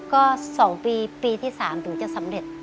ก็๒ปีปีที่๓ถึงจะสำเร็จ